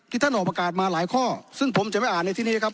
ท่านออกประกาศมาหลายข้อซึ่งผมจะไม่อ่านในที่นี้นะครับ